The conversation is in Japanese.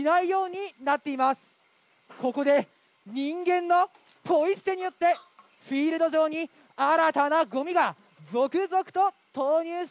ここで人間のポイ捨てによってフィールド上に新たなゴミが続々と投入されています！